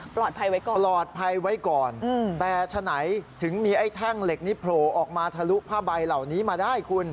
ไว้ก่อนปลอดภัยไว้ก่อนแต่ฉะไหนถึงมีไอ้แท่งเหล็กนี้โผล่ออกมาทะลุผ้าใบเหล่านี้มาได้คุณ